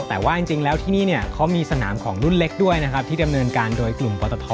แต่ว่าจริงแล้วที่นี่เนี่ยเขามีสนามของรุ่นเล็กด้วยนะครับที่ดำเนินการโดยกลุ่มปตท